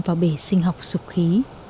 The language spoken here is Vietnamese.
vào bể sinh học sụp khí